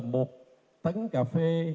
một tấn cà phê